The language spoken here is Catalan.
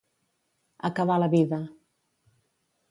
Acabar la vida.